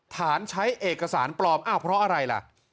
ใช้เอกสารปลอมอ้าวเพราะอะไรล่ะ